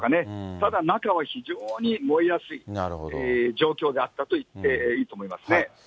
ただ、中は非常に燃えやすい状況だったと言っていいと思いますね。